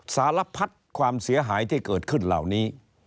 สารพัดความเสียหายที่เกิดขึ้นเหล่านี้